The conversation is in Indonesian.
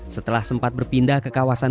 setelah sempat berpindah ke kawasan